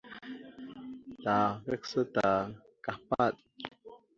Ta kagsa ta kahpaɗ.